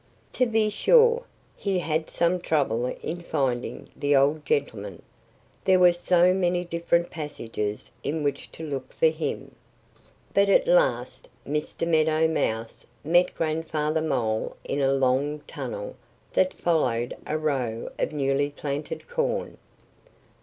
To be sure, he had some trouble in finding the old gentleman, there were so many different passages in which to look for him. But at last Mr. Meadow Mouse met Grandfather Mole in a long tunnel that followed a row of newly planted corn.